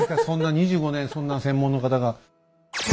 そんな２５年そんな専門の方が。